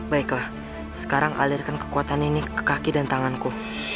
baiklah sekarang alirkan kekuatan ini ke kaki dan tanganku